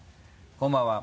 こんばんは。